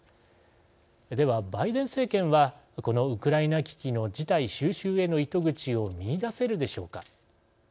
では、バイデン政権はこのウクライナ危機の事態収拾への糸口を見いだせるでしょうか。